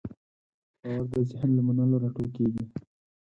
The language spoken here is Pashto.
باور د ذهن له منلو راټوکېږي.